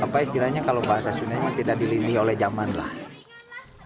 apa istilahnya kalau bahasa sunda tidak dilindungi oleh zaman lah